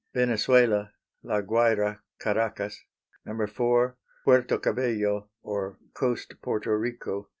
Venezuela, La Guayra, Caracas. 4. Puerto Cabello, or Coast Porto Rico.